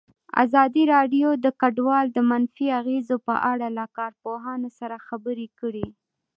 ازادي راډیو د کډوال د منفي اغېزو په اړه له کارپوهانو سره خبرې کړي.